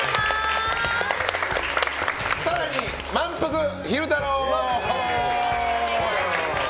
更に、まんぷく昼太郎！